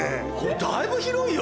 だいぶ広いよ。